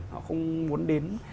họ không muốn đến